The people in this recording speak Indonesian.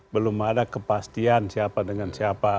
belum ada kepastian siapa dengan siapa